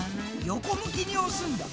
横向きに押すんだ。